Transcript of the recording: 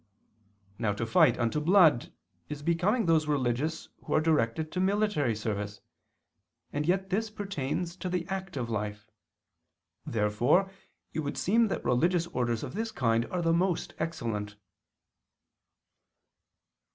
Now to fight unto blood is becoming those religious who are directed to military service, and yet this pertains to the active life. Therefore it would seem that religious orders of this kind are the most excellent.